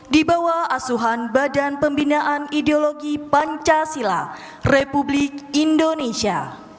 di bawah asuhan badan pembinaan ideologi pancasila republik indonesia